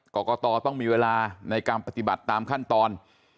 กรกตต้องมีเวลาในการปฏิบัติตามขั้นตอน